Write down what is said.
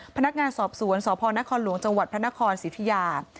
พนักงานสอบสวนสพนครหลวงจังหวัดพระนครสิทธิยา